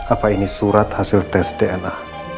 apa ini surat hasil tes dna